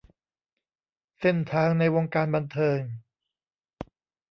เส้นทางในวงการบันเทิง